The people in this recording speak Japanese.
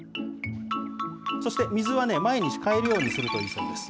そして水は毎日変えるようにするといいそうです。